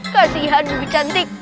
kasihan bibi cantik